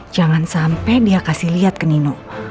jangan sampai dia kasih lihat ke nino